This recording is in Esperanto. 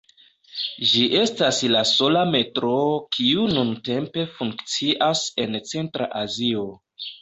Ĝi estas la sola metroo kiu nuntempe funkcias en Centra Azio.